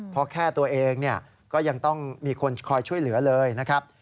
เพราะแค่ตัวเองก็ยังต้องมีคนคอยช่วยเหลือเลยนะครับ